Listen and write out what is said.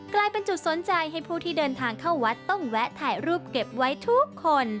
กลายเป็นจุดสนใจให้ผู้ที่เดินทางเข้าวัดต้องแวะถ่ายรูปเก็บไว้ทุกคน